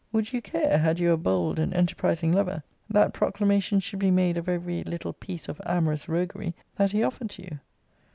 Would you care, had you a bold and enterprizing lover, that proclamation should be made of every little piece of amorous roguery, that he offered to you?